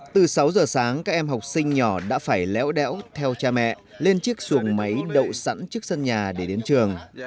từ sáu giờ sáng các em học sinh nhỏ đã phải léo đẽo theo cha mẹ lên chiếc xuồng máy đậu sẵn trước sân nhà để đến trường